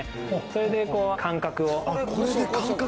それで感覚を。